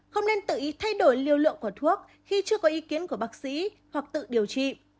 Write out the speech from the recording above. không nên tự ý thay đổi liều lượng của thuốc khi chưa có ý kiến của bác sĩ hoặc tự điều trị